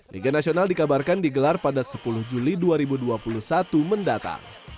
liga nasional dikabarkan digelar pada sepuluh juli dua ribu dua puluh satu mendatang